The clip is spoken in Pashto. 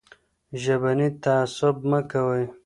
ژبني تعصب مه کوئ.